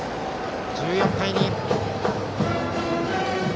１４対２。